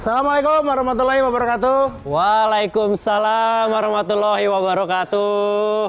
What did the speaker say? assalamualaikum warahmatullahi wabarakatuh waalaikumsalam warahmatullahi wabarakatuh